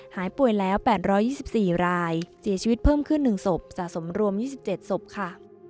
หายป่วยแล้ว๘๒๔รายเสียชีวิตเพิ่มขึ้น๑ศพสะสมรวม๒๗ศพค่ะ